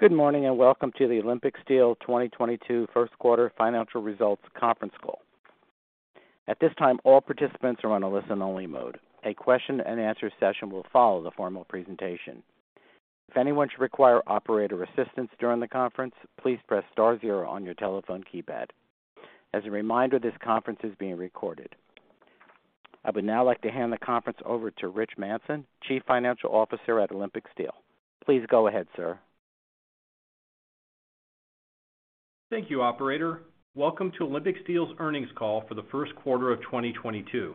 Good morning, and welcome to the Olympic Steel 2022 Q1 financial results conference call. At this time, all participants are on a listen only mode. A Q&A session will follow the formal presentation. If anyone should require operator assistance during the conference, please press star zero on your telephone keypad. As a reminder, this conference is being recorded. I would now like to hand the conference over to Rich Manson, Chief Financial Officer at Olympic Steel. Please go ahead, sir. Thank you, operator. Welcome to Olympic Steel's earnings call for the Q1 of 2022.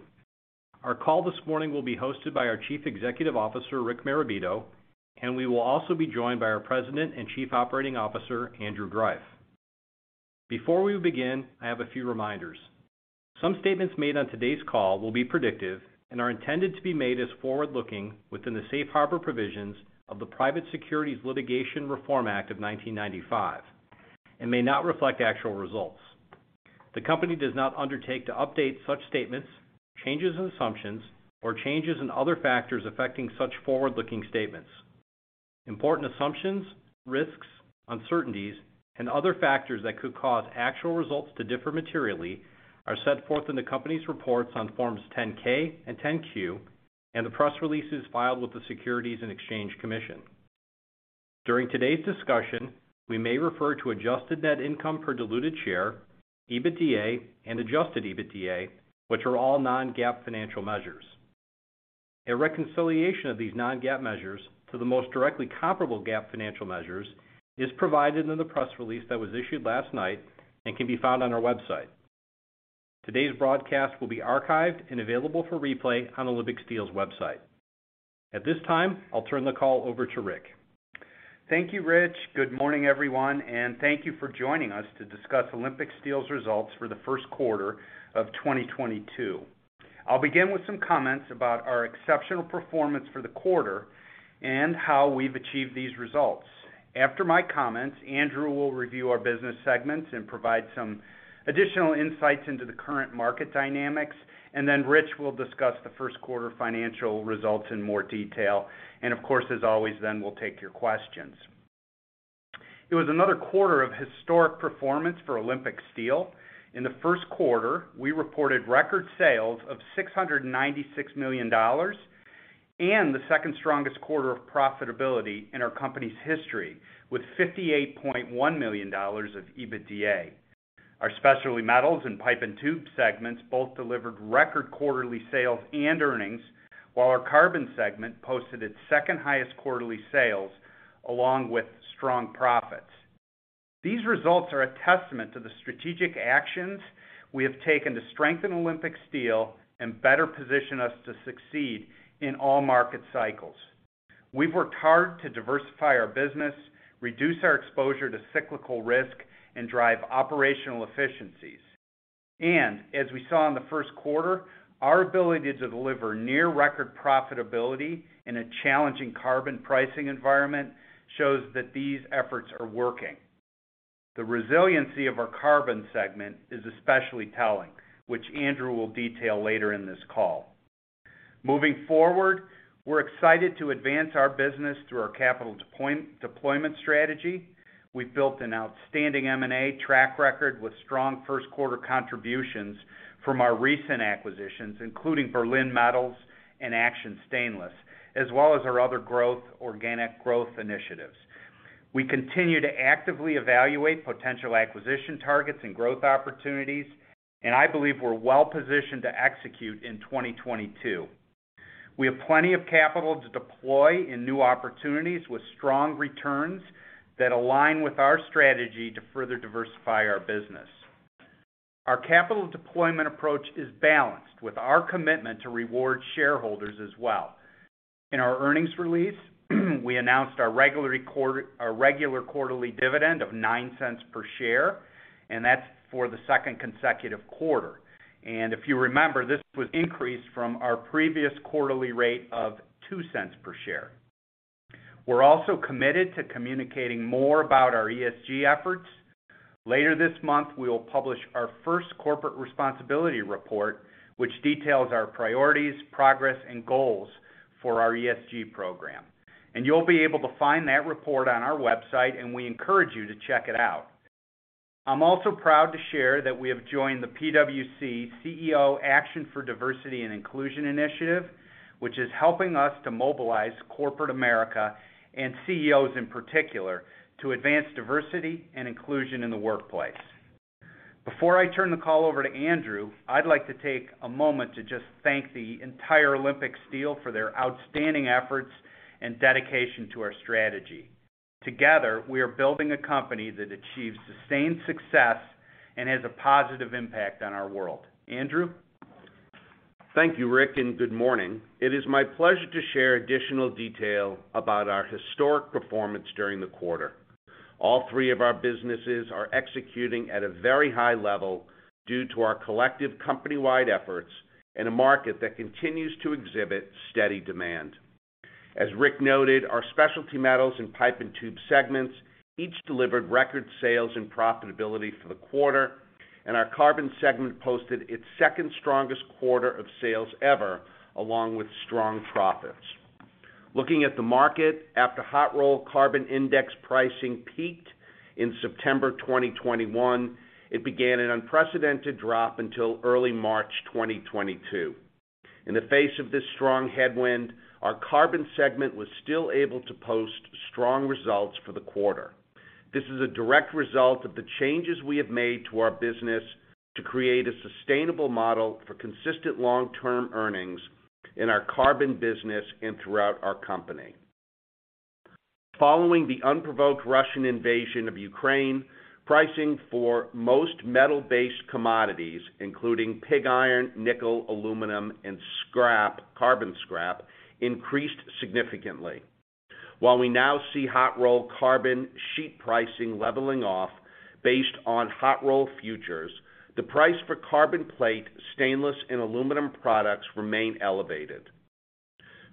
Our call this morning will be hosted by our Chief Executive Officer, Rick Marabito, and we will also be joined by our President and Chief Operating Officer, Andrew Greiff. Before we begin, I have a few reminders. Some statements made on today's call will be predictive and are intended to be made as forward-looking within the safe harbor provisions of the Private Securities Litigation Reform Act of 1995, and may not reflect actual results. The company does not undertake to update such statements, changes in assumptions, or changes in other factors affecting such forward-looking statements. Important assumptions, risks, uncertainties, and other factors that could cause actual results to differ materially are set forth in the company's reports on Forms 10-K and 10-Q, and the press releases filed with the Securities and Exchange Commission. During today's discussion, we may refer to adjusted net income per diluted share, EBITDA, and adjusted EBITDA, which are all non-GAAP financial measures. A reconciliation of these non-GAAP measures to the most directly comparable GAAP financial measures is provided in the press release that was issued last night and can be found on our website. Today's broadcast will be archived and available for replay on Olympic Steel's website. At this time, I'll turn the call over to Rick. Thank you, Rich. Good morning, everyone, and thank you for joining us to discuss Olympic Steel's results for the Q1 of 2022. I'll begin with some comments about our exceptional performance for the quarter and how we've achieved these results. After my comments, Andrew will review our business segments and provide some additional insights into the current market dynamics, and then Rich will discuss the Q1 financial results in more detail. Of course, as always, then we'll take your questions. It was another quarter of historic performance for Olympic Steel. In the Q1, we reported record sales of $696 million, and the second strongest quarter of profitability in our company's history, with $58.1 million of EBITDA. Our specialty metals and pipe and tube segments both delivered record quarterly sales and earnings, while our carbon segment posted its second-highest quarterly sales along with strong profits. These results are a testament to the strategic actions we have taken to strengthen Olympic Steel and better position us to succeed in all market cycles. We've worked hard to diversify our business, reduce our exposure to cyclical risk, and drive operational efficiencies. As we saw in the Q1, our ability to deliver near record profitability in a challenging carbon pricing environment shows that these efforts are working. The resiliency of our carbon segment is especially telling, which Andrew will detail later in this call. Moving forward, we're excited to advance our business through our capital deployment strategy. We've built an outstanding M&A track record with strong Q1 contributions from our recent acquisitions, including Berlin Metals and Action Stainless, as well as our other growth, organic growth initiatives. We continue to actively evaluate potential acquisition targets and growth opportunities, and I believe we're well positioned to execute in 2022. We have plenty of capital to deploy in new opportunities with strong returns that align with our strategy to further diversify our business. Our capital deployment approach is balanced with our commitment to reward shareholders as well. In our earnings release, we announced our regular quarterly dividend of $0.09 per share, and that's for the second consecutive quarter. If you remember, this was increased from our previous quarterly rate of $0.02 per share. We're also committed to communicating more about our ESG efforts. Later this month, we will publish our first corporate responsibility report, which details our priorities, progress, and goals for our ESG program. You'll be able to find that report on our website, and we encourage you to check it out. I'm also proud to share that we have joined the CEO Action for Diversity & Inclusion initiative, which is helping us to mobilize corporate America, and CEOs in particular, to advance diversity and inclusion in the workplace. Before I turn the call over to Andrew, I'd like to take a moment to just thank the entire Olympic Steel for their outstanding efforts and dedication to our strategy. Together, we are building a company that achieves sustained success and has a positive impact on our world. Andrew. Thank you, Rick, and good morning. It is my pleasure to share additional detail about our historic performance during the quarter. All three of our businesses are executing at a very high level due to our collective company-wide efforts in a market that continues to exhibit steady demand. As Rick noted, our specialty metals and pipe and tube segments each delivered record sales and profitability for the quarter. Our carbon segment posted its second strongest quarter of sales ever, along with strong profits. Looking at the market, after hot-rolled carbon index pricing peaked in September 2021, it began an unprecedented drop until early March 2022. In the face of this strong headwind, our carbon segment was still able to post strong results for the quarter. This is a direct result of the changes we have made to our business to create a sustainable model for consistent long-term earnings in our carbon business and throughout our company. Following the unprovoked Russian invasion of Ukraine, pricing for most metal-based commodities, including pig iron, nickel, aluminum, and scrap, carbon scrap, increased significantly. While we now see hot-rolled carbon sheet pricing leveling off based on hot-rolled futures, the price for carbon plate, stainless, and aluminum products remain elevated.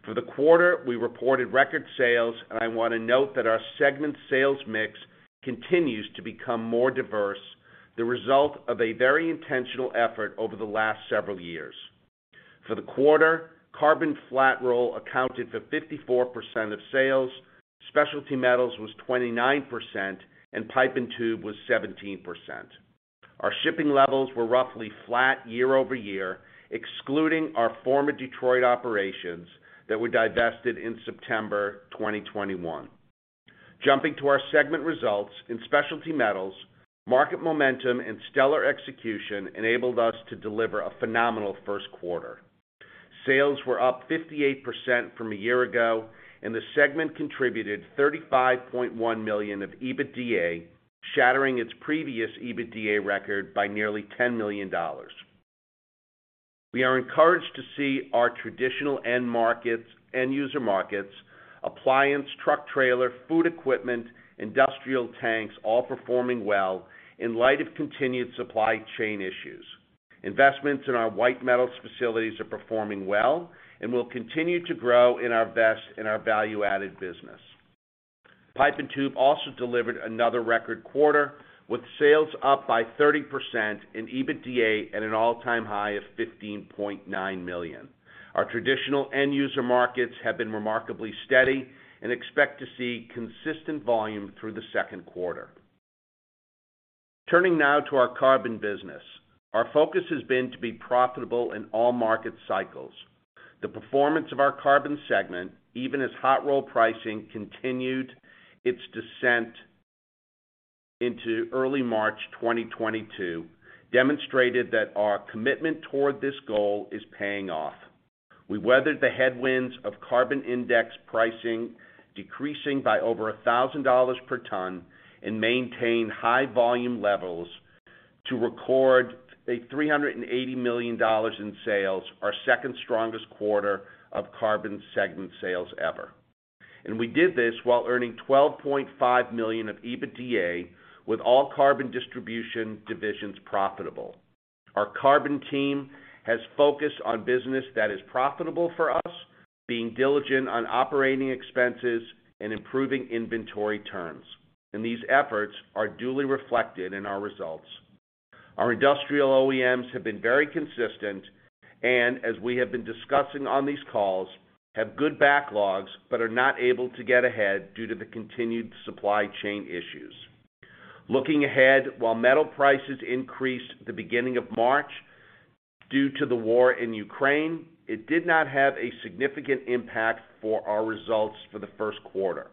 For the quarter, we reported record sales, and I wanna note that our segment sales mix continues to become more diverse, the result of a very intentional effort over the last several years. For the quarter, carbon flat roll accounted for 54% of sales, specialty metals was 29%, and pipe and tube was 17%. Our shipping levels were roughly flat year-over-year, excluding our former Detroit operations that were divested in September 2021. Jumping to our segment results, in specialty metals, market momentum and stellar execution enabled us to deliver a phenomenal Q1. Sales were up 58% from a year ago, and the segment contributed $35.1 million of EBITDA, shattering its previous EBITDA record by nearly $10 million. We are encouraged to see our traditional end markets, end-user markets, appliance, truck trailer, food equipment, industrial tanks, all performing well in light of continued supply chain issues. Investments in our white metals facilities are performing well and will continue to grow in our best-in-class value-added business. Pipe and tube also delivered another record quarter, with sales up by 30% and EBITDA at an all-time high of $15.9 million. Our traditional end-user markets have been remarkably steady and expect to see consistent volume through the Q2. Turning now to our carbon business. Our focus has been to be profitable in all market cycles. The performance of our carbon segment, even as hot-roll pricing continued its descent into early March 2022, demonstrated that our commitment toward this goal is paying off. We weathered the headwinds of carbon index pricing decreasing by over $1,000 per ton and maintained high volume levels to record $380 million in sales, our second strongest quarter of carbon segment sales ever. We did this while earning $12.5 million of EBITDA with all carbon distribution divisions profitable. Our carbon team has focused on business that is profitable for us, being diligent on operating expenses and improving inventory turns. These efforts are duly reflected in our results. Our industrial OEMs have been very consistent and, as we have been discussing on these calls, have good backlogs but are not able to get ahead due to the continued supply chain issues. Looking ahead, while metal prices increased at the beginning of March due to the war in Ukraine, it did not have a significant impact for our results for the Q1.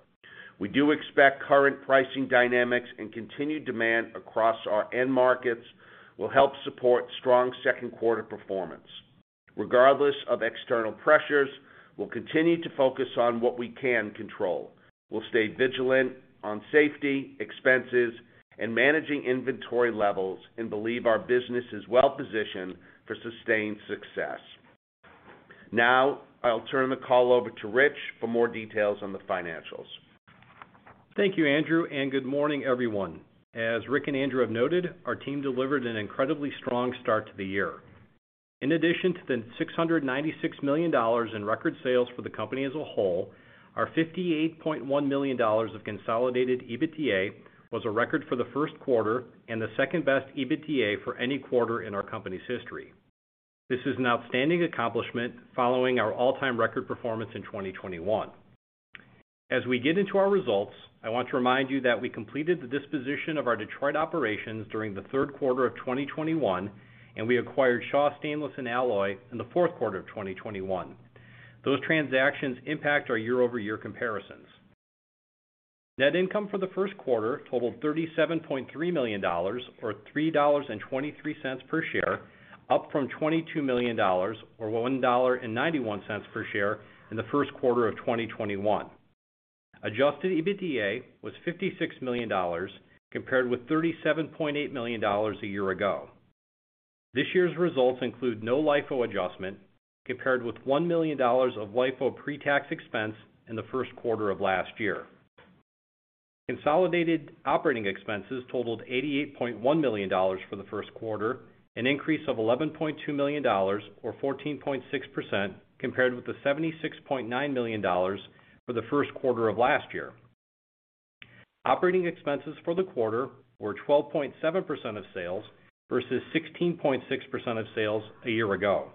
We do expect current pricing dynamics and continued demand across our end markets will help support strong Q2 performance. Regardless of external pressures, we'll continue to focus on what we can control. We'll stay vigilant on safety, expenses, and managing inventory levels and believe our business is well positioned for sustained success. Now, I'll turn the call over to Rich for more details on the financials. Thank you, Andrew, and good morning, everyone. As Rick and Andrew have noted, our team delivered an incredibly strong start to the year. In addition to the $696 million in record sales for the company as a whole, our $58.1 million of consolidated EBITDA was a record for the Q1 and the second-best EBITDA for any quarter in our company's history. This is an outstanding accomplishment following our all-time record performance in 2021. As we get into our results, I want to remind you that we completed the disposition of our Detroit operations during the Q3 of 2021, and we acquired Shaw Stainless & Alloy in the Q4 of 2021. Those transactions impact our year-over-year comparisons. Net income for the Q1 totaled $37.3 million or $3.23 per share, up from $22 million or $1.91 per share in the Q1 of 2021. Adjusted EBITDA was $56 million, compared with $37.8 million a year ago. This year's results include no LIFO adjustment, compared with $1 million of LIFO pre-tax expense in the Q1 of last year. Consolidated operating expenses totaled $88.1 million for the Q1, an increase of $11.2 million or 14.6% compared with the $76.9 million for the Q1 of last year. Operating expenses for the quarter were 12.7% of sales versus 16.6% of sales a year ago.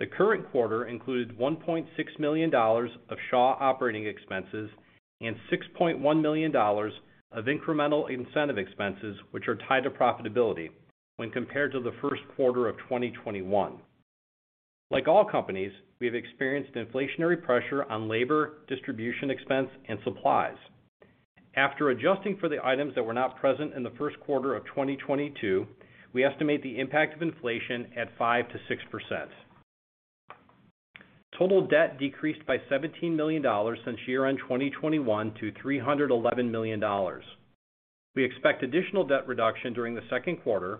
The current quarter included $1.6 million of Shaw operating expenses and $6.1 million of incremental incentive expenses, which are tied to profitability when compared to the Q1 of 2021. Like all companies, we have experienced inflationary pressure on labor, distribution expense, and supplies. After adjusting for the items that were not present in the Q1 of 2022, we estimate the impact of inflation at 5%-6%. Total debt decreased by $17 million since year-end 2021-$311 million. We expect additional debt reduction during the Q2.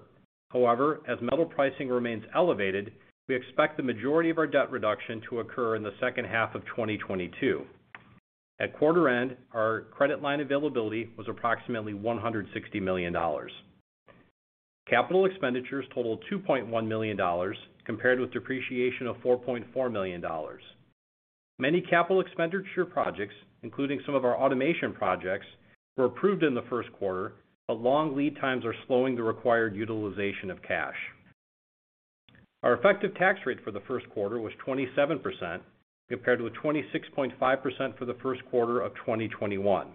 However, as metal pricing remains elevated, we expect the majority of our debt reduction to occur in the H2 of 2022. At quarter end, our credit line availability was approximately $160 million. Capital expenditures totaled $2.1 million, compared with depreciation of $4.4 million. Many capital expenditure projects, including some of our automation projects, were approved in the Q1, but long lead times are slowing the required utilization of cash. Our effective tax rate for the Q1 was 27%, compared to a 26.5% for the Q1 of 2021.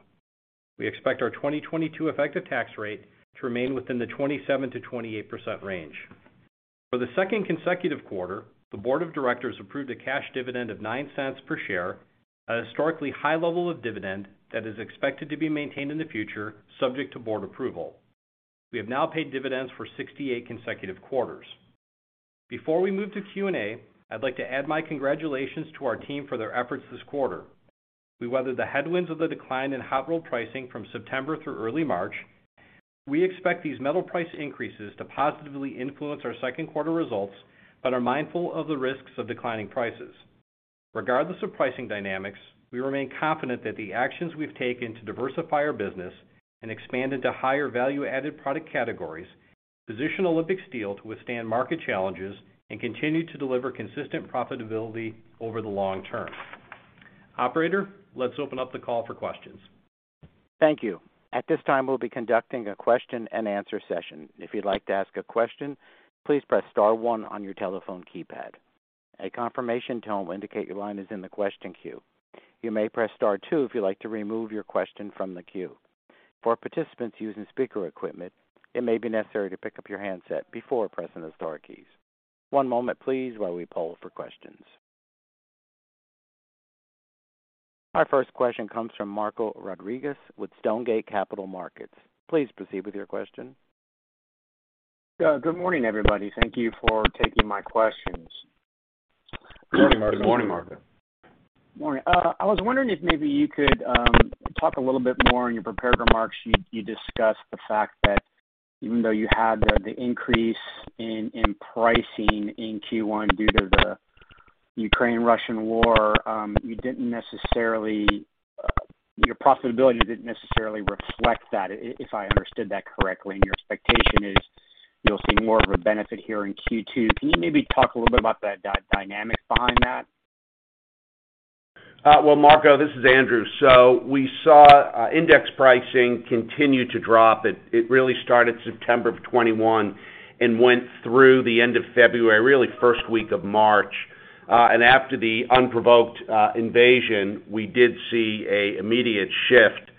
We expect our 2022 effective tax rate to remain within the 27%-28% range. For the second consecutive quarter, the board of directors approved a cash dividend of $0.09 per share, a historically high level of dividend that is expected to be maintained in the future, subject to board approval. We have now paid dividends for 68 consecutive quarters. Before we move to Q&A, I'd like to add my congratulations to our team for their efforts this quarter. We weathered the headwinds of the decline in hot roll pricing from September through early March. We expect these metal price increases to positively influence our Q2 results, but are mindful of the risks of declining prices. Regardless of pricing dynamics, we remain confident that the actions we've taken to diversify our business and expand into higher value-added product categories position Olympic Steel to withstand market challenges and continue to deliver consistent profitability over the long term. Operator, let's open up the call for questions. Thank you. At this time, we'll be conducting a Q&A session. If you'd like to ask a question, please press star one on your telephone keypad. A confirmation tone will indicate your line is in the question queue. You may press star two if you'd like to remove your question from the queue. For participants using speaker equipment, it may be necessary to pick up your handset before pressing the star keys. One moment, please, while we poll for questions. Our first question comes from Marco Rodriguez with Stonegate Capital Markets. Please proceed with your question. Yeah, good morning, everybody. Thank you for taking my questions. Good morning, Marco. Good morning, Marco. Morning. I was wondering if maybe you could talk a little bit more. In your prepared remarks, you discussed the fact that even though you had the increase in pricing in Q1 due to the Ukraine-Russian war, your profitability didn't necessarily reflect that, if I understood that correctly, and your expectation is you'll see more of a benefit here in Q2. Can you maybe talk a little bit about that dynamic behind that? Well, Marco, this is Andrew. We saw index pricing continue to drop. It really started September of 2021 and went through the end of February, really first week of March. After the unprovoked invasion, we did see an immediate shift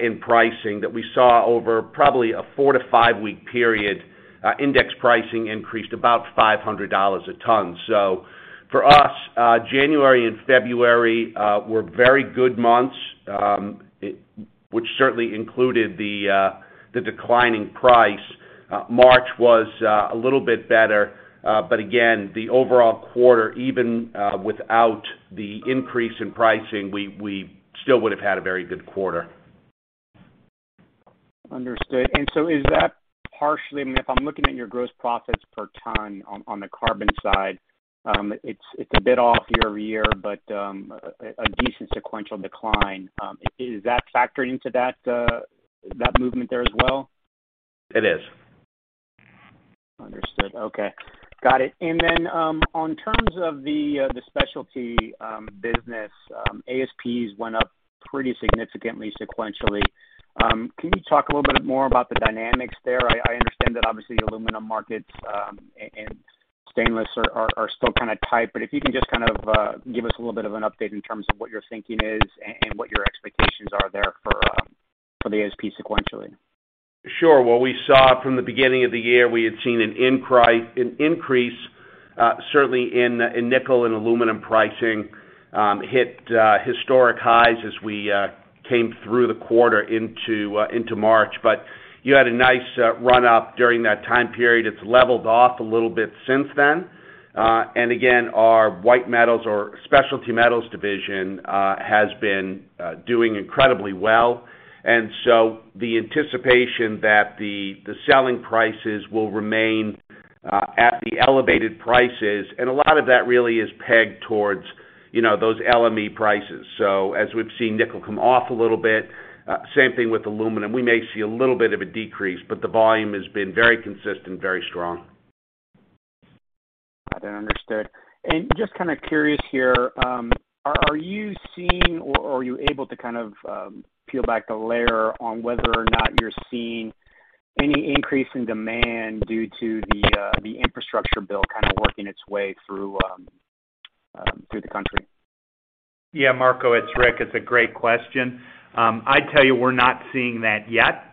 in pricing that we saw over probably a four to five week period, index pricing increased about $500 a ton. For us, January and February were very good months, which certainly included the declining price. March was a little bit better. But again, the overall quarter, even without the increase in pricing, we still would have had a very good quarter. Understood. Is that partially, I mean, if I'm looking at your gross profits per ton on the carbon side, it's a bit off year-over-year, but a decent sequential decline. Is that factored into that movement there as well? It is. Understood. Okay. Got it. In terms of the specialty business, ASPs went up pretty significantly sequentially. Can you talk a little bit more about the dynamics there? I understand that obviously the aluminum markets and stainless are still kind of tight, but if you can just kind of give us a little bit of an update in terms of what you're thinking is and what your expectations are there for the ASP sequentially. Sure. What we saw from the beginning of the year, we had seen an increase certainly in nickel and aluminum pricing hit historic highs as we came through the quarter into March. You had a nice run up during that time period. It's leveled off a little bit since then. Again, our white metals or specialty metals division has been doing incredibly well. The anticipation that the selling prices will remain at the elevated prices, and a lot of that really is pegged towards, you know, those LME prices. As we've seen nickel come off a little bit, same thing with aluminum. We may see a little bit of a decrease, but the volume has been very consistent, very strong. Got it. Understood. Just kind of curious here, are you seeing or are you able to kind of peel back the layer on whether or not you're seeing any increase in demand due to the infrastructure bill kind of working its way through the country? Yeah, Marco, it's Rick. It's a great question. I tell you, we're not seeing that yet.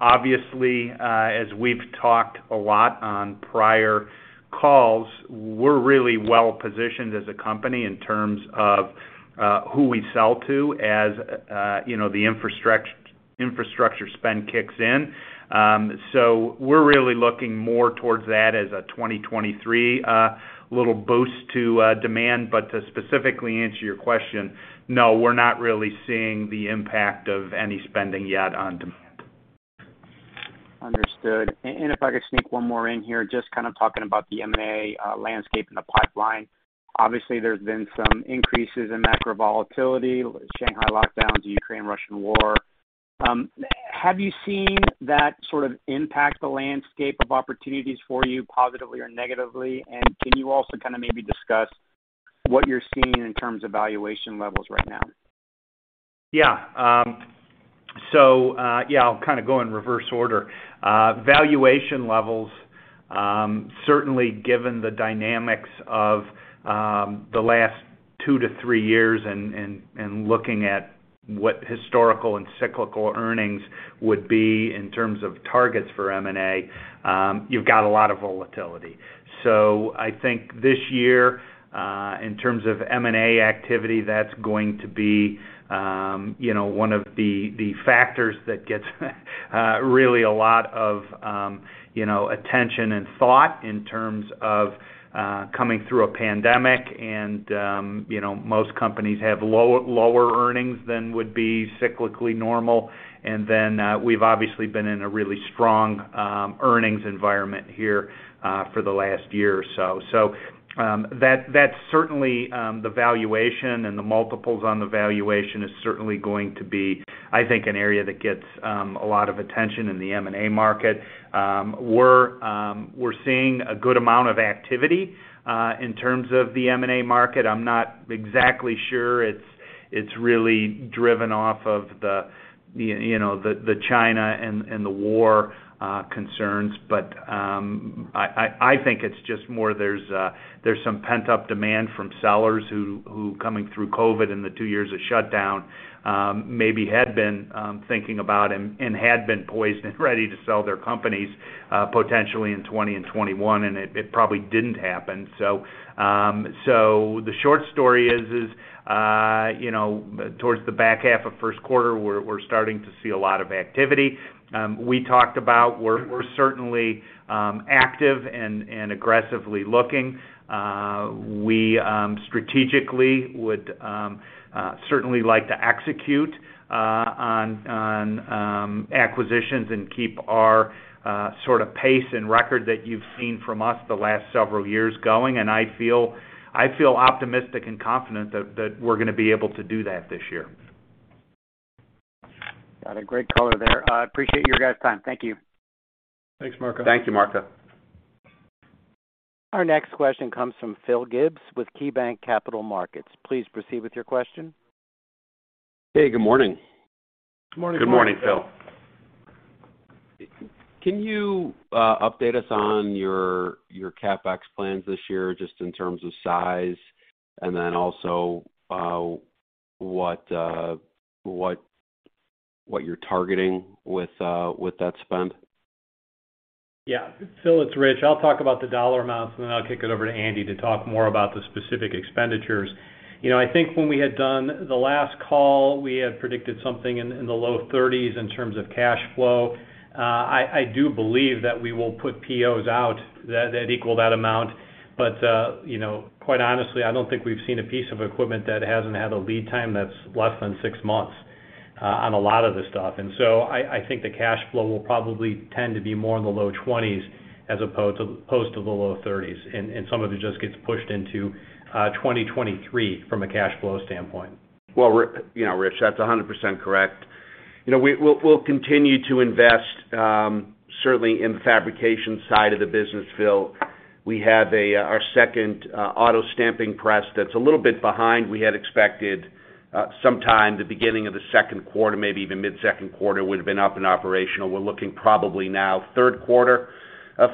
Obviously, as we've talked a lot on prior calls, we're really well-positioned as a company in terms of who we sell to as you know, the infrastructure spend kicks in. We're really looking more towards that as a 2023 little boost to demand. To specifically answer your question, no, we're not really seeing the impact of any spending yet on demand. Understood. If I could sneak one more in here, just kind of talking about the M&A landscape and the pipeline. Obviously, there's been some increases in macro volatility, Shanghai lockdowns, Ukraine-Russian war. Have you seen that sort of impact the landscape of opportunities for you positively or negatively? Can you also kind of maybe discuss what you're seeing in terms of valuation levels right now? Yeah. Yeah, I'll kind of go in reverse order. Valuation levels, certainly given the dynamics of the last two to three years and looking at what historical and cyclical earnings would be in terms of targets for M&A, you've got a lot of volatility. I think this year, in terms of M&A activity, that's going to be, you know, one of the factors that gets really a lot of, you know, attention and thought in terms of coming through a pandemic and, you know, most companies have lower earnings than would be cyclically normal. We've obviously been in a really strong earnings environment here, for the last year or so. That's certainly the valuation and the multiples on the valuation is certainly going to be, I think, an area that gets a lot of attention in the M&A market. We're seeing a good amount of activity in terms of the M&A market. I'm not exactly sure it's really driven off of the, you know, the China and the war concerns. I think it's just more there's some pent-up demand from sellers who coming through COVID and the two years of shutdown, maybe had been thinking about and had been poised and ready to sell their companies potentially in 2020 and 2021, and it probably didn't happen. The short story is, you know, towards the back half of Q1, we're starting to see a lot of activity. We talked about we're certainly active and aggressively looking. We strategically would certainly like to execute on acquisitions and keep our sort of pace and record that you've seen from us the last several years going. I feel optimistic and confident that we're gonna be able to do that this year. Got a great color there. Appreciate your guys' time. Thank you. Thanks, Marco. Thank you, Marco. Our next question comes from Phil Gibbs with KeyBanc Capital Markets. Please proceed with your question. Hey, good morning. Good morning, Phil. Good morning. Can you update us on your CapEx plans this year just in terms of size, and then also what you're targeting with that spend? Yeah. Phil, it's Rich. I'll talk about the dollar amounts, and then I'll kick it over to Andy to talk more about the specific expenditures. You know, I think when we had done the last call, we had predicted something in the low 30s in terms of cash flow. I do believe that we will put POs out that equal that amount. You know, quite honestly, I don't think we've seen a piece of equipment that hasn't had a lead time that's less than six months on a lot of this stuff. I think the cash flow will probably tend to be more in the low 20s as opposed to most of the low 30s, and some of it just gets pushed into 2023 from a cash flow standpoint. Well, you know, Rich, that's 100% correct. You know, we'll continue to invest certainly in the fabrication side of the business, Phil. We have our second auto stamping press that's a little bit behind. We had expected sometime in the beginning of the Q2, maybe even mid-Q2, would have been up and operational. We're looking probably now Q3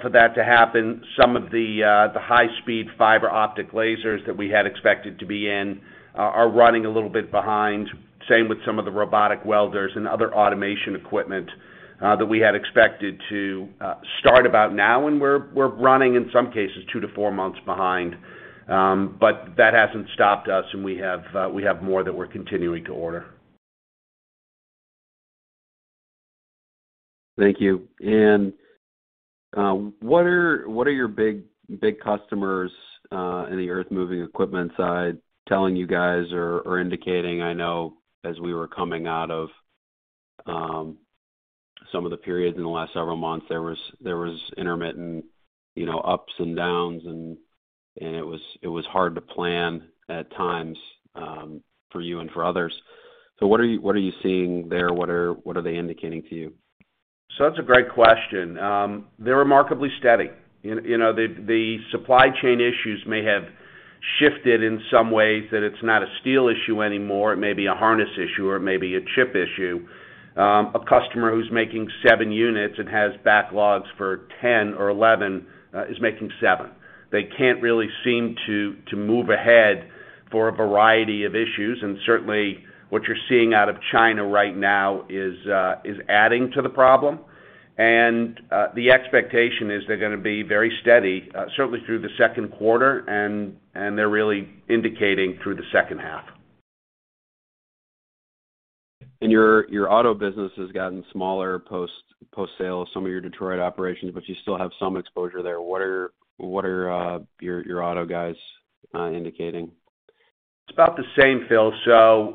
for that to happen. Some of the high-speed fiber lasers that we had expected to be running a little bit behind. Same with some of the robotic welders and other automation equipment that we had expected to start about now, and we're running, in some cases, two-four months behind. But that hasn't stopped us, and we have more that we're continuing to order. Thank you. What are your big customers in the earthmoving equipment side telling you guys or indicating? I know as we were coming out of some of the periods in the last several months, there was intermittent, you know, ups and downs, and it was hard to plan at times, for you and for others. What are they indicating to you? That's a great question. They're remarkably steady. The supply chain issues may have shifted in some ways that it's not a steel issue anymore, it may be a harness issue, or it may be a chip issue. A customer who's making seven units and has backlogs for 10 or 11 is making seven. They can't really seem to move ahead for a variety of issues. Certainly, what you're seeing out of China right now is adding to the problem. The expectation is they're gonna be very steady, certainly through the Q2, and they're really indicating through the H2. Your auto business has gotten smaller post-sale, some of your Detroit operations, but you still have some exposure there. What are your auto guys indicating? It's about the same, Phil.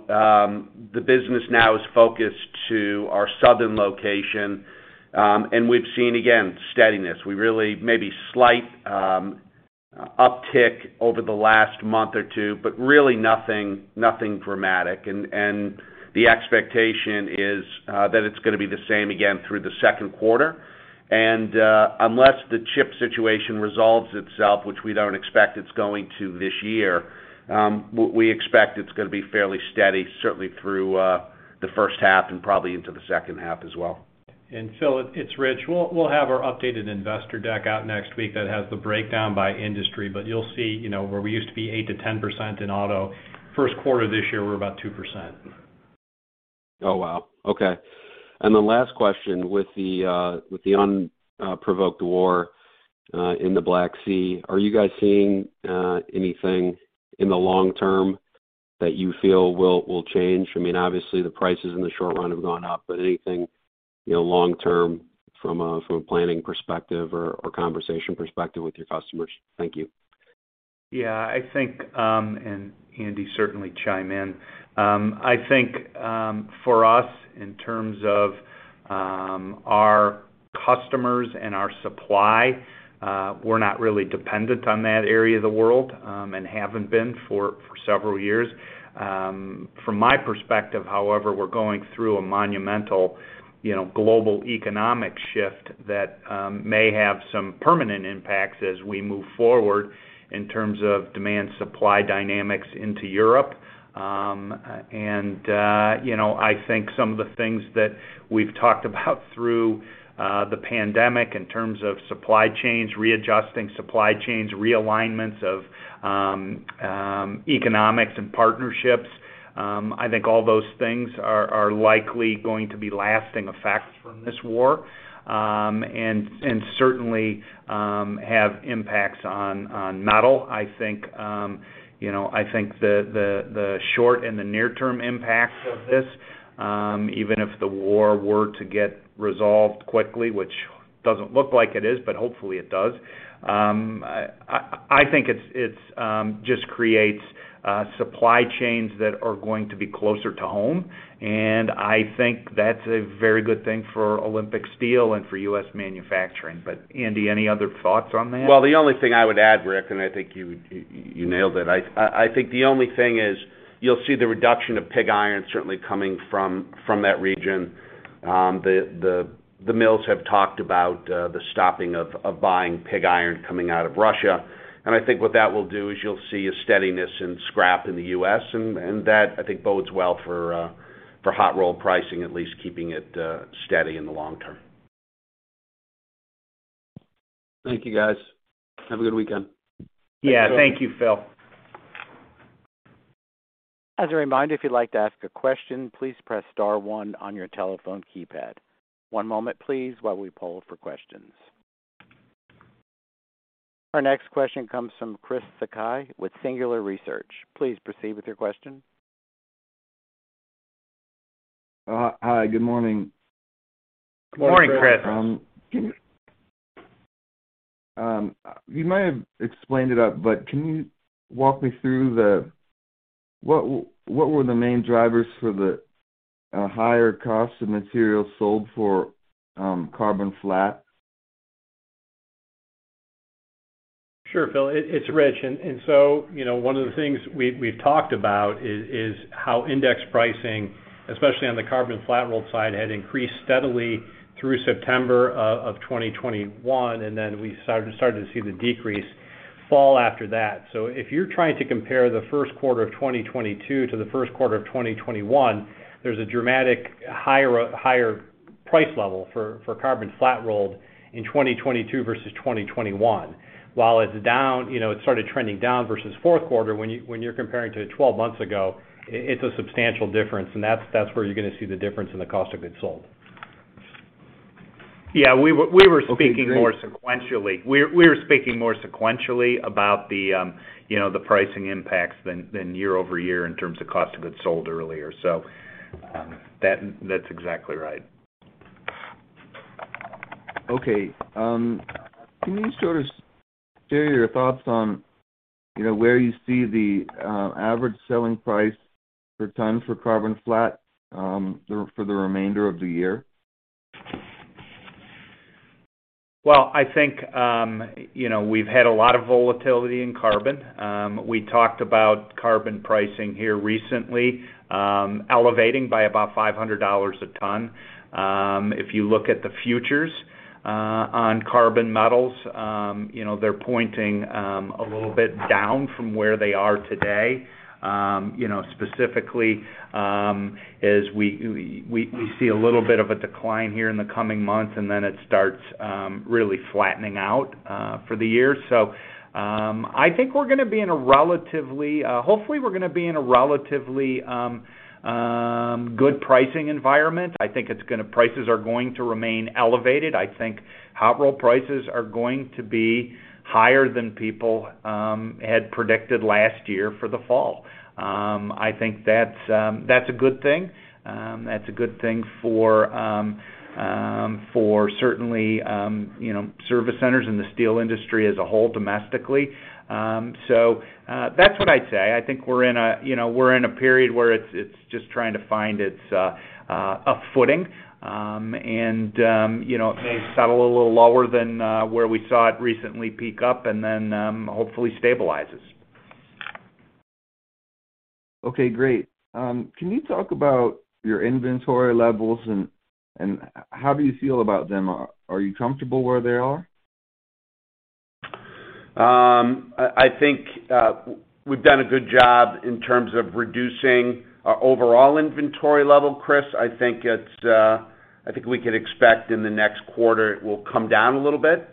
The business now is focused to our southern location. We've seen, again, steadiness. Maybe slight uptick over the last month or two, but really nothing dramatic. The expectation is that it's gonna be the same again through the Q2. Unless the chip situation resolves itself, which we don't expect it's going to this year, we expect it's gonna be fairly steady, certainly through the H1 and probably into the H2 as well. Phil, it's Rich. We'll have our updated investor deck out next week that has the breakdown by industry, but you'll see, you know, where we used to be 8%-10% in auto, Q1 this year, we're about 2%. Oh, wow. Okay. The last question, with the unprovoked war in the Black Sea, are you guys seeing anything in the long term that you feel will change? I mean, obviously the prices in the short run have gone up, but anything, you know, long term from a planning perspective or conversation perspective with your customers? Thank you. Yeah. I think, and Andy, certainly chime in. I think, for us, in terms of our customers and our supply, we're not really dependent on that area of the world, and haven't been for several years. From my perspective, however, we're going through a monumental, you know, global economic shift that may have some permanent impacts as we move forward in terms of demand supply dynamics into Europe. You know, I think some of the things that we've talked about through the pandemic in terms of supply chains, readjusting supply chains, realignments of economics and partnerships, I think all those things are likely going to be lasting effects from this war, and certainly have impacts on metal. I think, you know, I think the short and the near-term impacts of this, even if the war were to get resolved quickly, which doesn't look like it is, but hopefully it does, I think it's just creates supply chains that are going to be closer to home. I think that's a very good thing for Olympic Steel and for U.S. manufacturing. Andy, any other thoughts on that? Well, the only thing I would add, Rick, and I think you nailed it. I think the only thing is you'll see the reduction of pig iron certainly coming from that region. The mills have talked about the stopping of buying pig iron coming out of Russia. I think what that will do is you'll see a steadiness in scrap in the U.S. and that I think bodes well for hot roll pricing, at least keeping it steady in the long term. Thank you, guys. Have a good weekend. Yeah. Thank you, Phil. As a reminder, if you'd like to ask a question, please press star one on your telephone keypad. One moment, please, while we poll for questions. Our next question comes from Chris Sakai with Singular Research. Please proceed with your question. Hi. Good morning. Good morning, Chris. You might have explained it up, but can you walk me through what were the main drivers for the higher cost of materials sold for carbon flat? Sure, Phil. It's Rich. You know, one of the things we've talked about is how index pricing, especially on the carbon flat rolled side, had increased steadily through September of 2021, and then we started to see the decrease fall after that. If you're trying to compare the Q1 of 2022 to the Q1 of 2021, there's a dramatic higher price level for carbon flat rolled in 2022 versus 2021. While it's down, you know, it started trending down versus Q4 when you're comparing to 12 months ago, it's a substantial difference. That's where you're gonna see the difference in the cost of goods sold. Yeah. We were speaking more sequentially. We were speaking more sequentially about the, you know, the pricing impacts than year over year in terms of cost of goods sold earlier. So, that's exactly right. Okay. Can you sort of share your thoughts on, you know, where you see the average selling price per ton for carbon flat for the remainder of the year? Well, I think, you know, we've had a lot of volatility in carbon. We talked about carbon pricing here recently, elevating by about $500 a ton. If you look at the futures on carbon metals, you know, they're pointing a little bit down from where they are today. You know, specifically, as we see a little bit of a decline here in the coming months, and then it starts really flattening out for the year. I think we're gonna be in a relatively good pricing environment, hopefully. I think prices are going to remain elevated. I think hot roll prices are going to be higher than people had predicted last year for the fall. I think that's a good thing. That's a good thing for certainly, you know, service centers in the steel industry as a whole domestically. That's what I'd say. I think we're in a period where it's just trying to find its footing. You know, it may settle a little lower than where we saw it recently peaked and then hopefully stabilizes. Okay, great. Can you talk about your inventory levels and how do you feel about them? Are you comfortable where they are? I think we've done a good job in terms of reducing our overall inventory level, Chris. I think we can expect in the next quarter it will come down a little bit,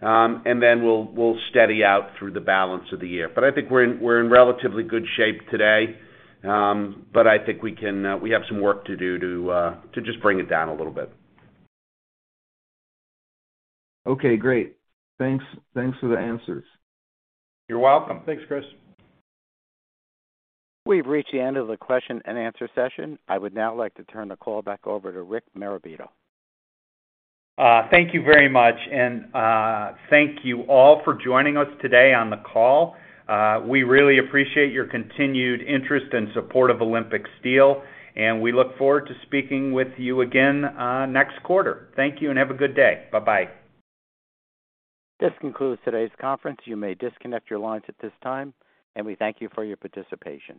and then we'll steady out through the balance of the year. I think we're in relatively good shape today. I think we have some work to do to just bring it down a little bit. Okay, great. Thanks for the answers. You're welcome. Thanks, Chris. We've reached the end of the question and answer session. I would now like to turn the call back over to Rick Marabito. Thank you very much, and thank you all for joining us today on the call. We really appreciate your continued interest and support of Olympic Steel, and we look forward to speaking with you again next quarter. Thank you and have a good day. Bye-bye. This concludes today's conference. You may disconnect your lines at this time, and we thank you for your participation.